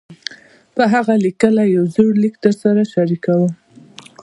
پۀ هغه ليکلے يو زوړ ليک درسره شريکووم -